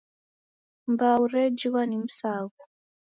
Mbau rejighwa ni msaghu